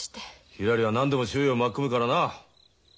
ひらりは何でも周囲を巻き込むからな。